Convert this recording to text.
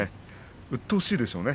うっとうしいでしょうね